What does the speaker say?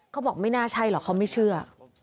เขาบอกไม่น่าใช่หรอกเขาไม่เชื่อ